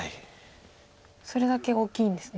それだけ大きいんですね